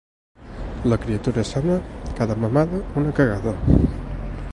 La criatura sana, cada mamada, una cagada.